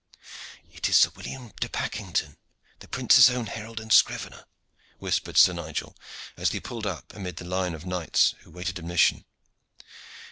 "It is Sir William de Pakington, the prince's own herald and scrivener," whispered Sir Nigel, as they pulled up amid the line of knights who waited admission.